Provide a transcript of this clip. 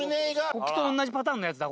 国旗と同じパターンのやつだ